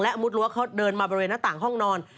มุดรั้วเขาเดินมาบริเวณหน้าต่างห้องนอน